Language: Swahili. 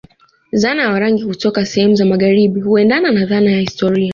Dhana ya Warangi kutoka sehemu za magharibi huendena na dhana ya historia